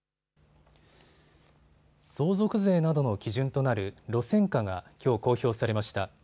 相続税などの基準となる路線価がきょう公表されました。